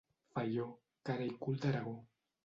Faió, cara i cul d'Aragó.